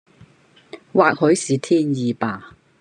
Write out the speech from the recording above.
或許是天意吧！